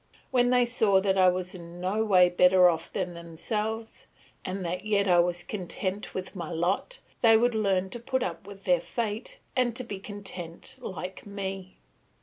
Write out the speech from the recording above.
When they saw that I was in no way better off than themselves, and that yet I was content with my lot, they would learn to put up with their fate and to be content like me.